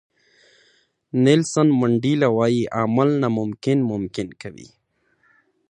نیلسن منډیلا وایي عمل ناممکن ممکن کوي.